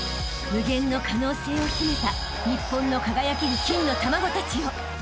［無限の可能性を秘めた日本の輝ける金の卵たちよ］